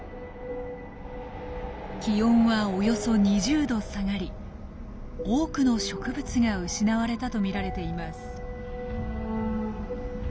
気温はおよそ２０度下がり多くの植物が失われたとみられています。